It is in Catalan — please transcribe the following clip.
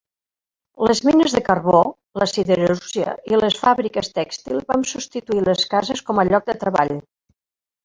Les mines de carbó, la siderúrgia i les fàbriques tèxtils van substituir les cases com a lloc de treball.